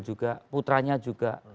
juga putranya juga